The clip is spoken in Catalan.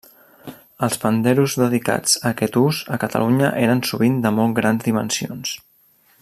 Els panderos dedicats a aquest ús a Catalunya eren sovint de molt grans dimensions.